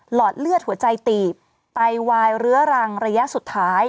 อดเลือดหัวใจตีบไตวายเรื้อรังระยะสุดท้าย